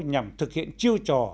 nhằm thực hiện chiêu trò